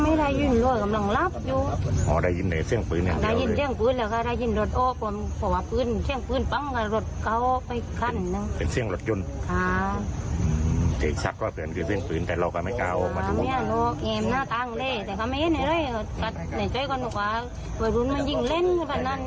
มีหัวเขียมหน้าตังด์เลยแต่ก็ไม่ได้เลยกัดในเจ้าก่อนดูกว่าวันนี้มันยิ่งเล่นกันแบบนั้นเนี่ย